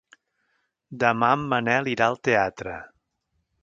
Demà en Manel irà al teatre.